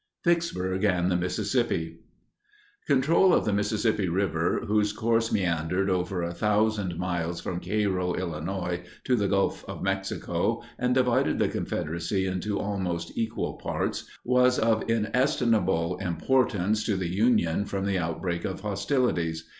_ VICKSBURG AND THE MISSISSIPPI. Control of the Mississippi River, whose course meandered over 1,000 miles from Cairo, Ill., to the Gulf of Mexico and divided the Confederacy into almost equal parts, was of inestimable importance to the Union from the outbreak of hostilities.